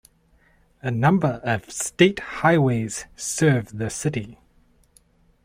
A number of state highways serve the city.